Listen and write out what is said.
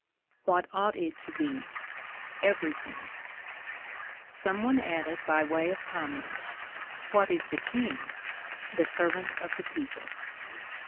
WHAT OUGHT IT TO BE? EVERY THING. Some one added by way of comment: WHAT IS THE KING? THE SERVANT OF THE PEOPLE.